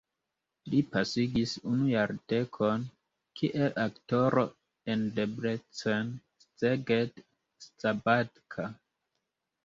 Li pasigis unu jardekon kiel aktoro en Debrecen, Szeged, Szabadka.